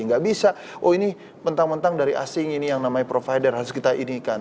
nggak bisa oh ini mentang mentang dari asing ini yang namanya provider harus kita inikan